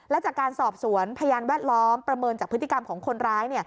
และจากการสอบสวนพยานแวดล้อมประเมินจากพฤติกรรมของคนร้าย